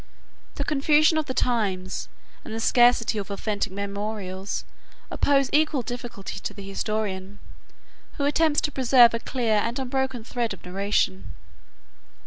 The confusion of the times, and the scarcity of authentic memorials, oppose equal difficulties to the historian, who attempts to preserve a clear and unbroken thread of narration.